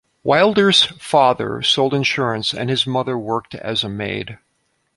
Wilder's father sold insurance and his mother worked as a maid.